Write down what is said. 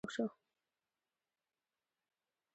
بالاخره په بېلابېلو سیمو کې د ټکنالوژیکي بدلونونو سبب شو.